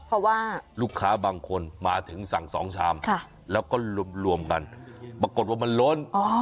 เพราะว่าลูกค้าบางคนมาถึงสั่ง๒ชามแล้วก็รวมกันปรากฏว่ามันล้น